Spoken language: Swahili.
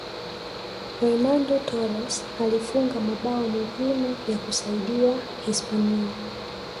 fernando torres alifunga mabao muhimu ya kuisaidia hispania